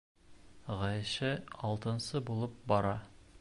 Ғәйшә алтынсы булып бара.